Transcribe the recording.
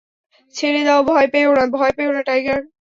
ছেড়ে দাও ভয় পেয়ো না, ভয় পেয়ো না, টাইগার!